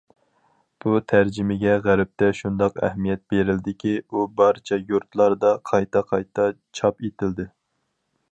بۇ تەرجىمىگە غەربتە شۇنداق ئەھمىيەت بېرىلدىكى، ئۇ بارچە يۇرتلاردا قايتا- قايتا چاپ ئېتىلدى.